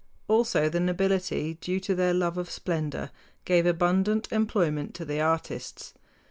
Also the nobility, due to their love of splendor, gave abundant employment to the artists.